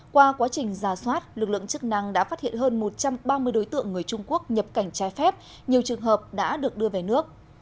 qua quá trình giả soát lực lượng chức năng đã phát hiện hơn một trăm ba mươi đối tượng người trung quốc nhập cảnh trái phép nhiều trường hợp đã được đưa về nước